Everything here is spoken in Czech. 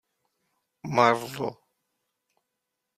Marlo!